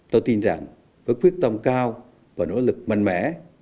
tôi tin rằng với quyết tâm cao và nỗ lực mạnh mẽ